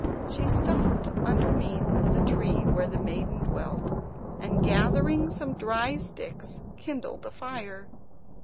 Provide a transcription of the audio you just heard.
She stopped underneath the tree where the maiden dwelt and, gathering some dry sticks, kindled a fire.